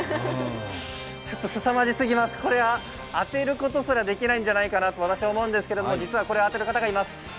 ちょっとすさまじすぎます、これは当てることすらできないんじゃないかと思いますが、実はこれ、当てる方がいます。